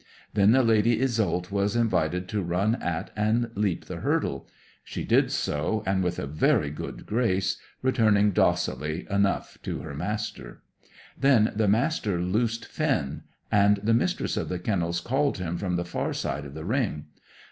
Then the Lady Iseult was invited to run at and leap the hurdle. She did so, and with a good grace, returning docilely enough to her master. Then the Master loosed Finn, and the Mistress of the Kennels called him from the far side of the ring.